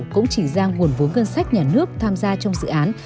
cũng chỉ ra nguồn vốn ngân sách nhà nước tham gia trong dự án